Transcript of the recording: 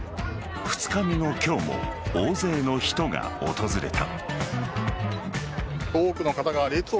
２日目の今日も大勢の人が訪れた。